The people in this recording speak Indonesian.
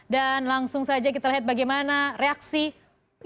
dan langsung saja kita lihat bagaimana reaksi investasi